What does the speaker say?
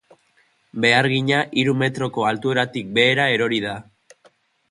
Behargina hiru metroko altueratik behera erori da.